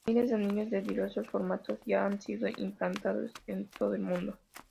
Miles de anillos de diversos formatos ya han sido implantados en todo el mundo.